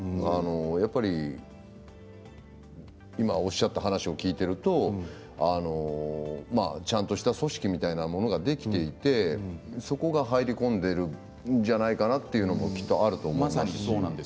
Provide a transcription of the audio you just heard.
やっぱり、今おっしゃった話を聞いているとちゃんとした組織みたいなものができていてそこが入り込んでいるんじゃないかなというのもきっとあると思うんです。